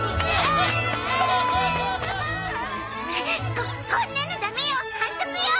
ここんなのダメよ反則よ！